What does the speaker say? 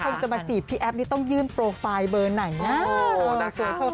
อยากเห็นแบบนี้มีโมนเม้นต์แบบเขิดบ้างอะไรบ้าง